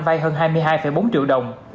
vay hơn hai mươi hai bốn triệu đồng